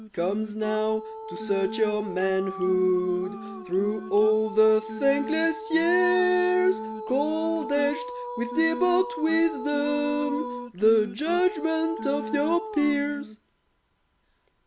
Comes now, to search your manhood Through all the thankless years, Cold, edged with dear bought wisdom, The judgment of your peers!